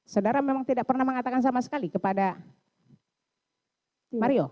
saudara memang tidak pernah mengatakan sama sekali kepada mario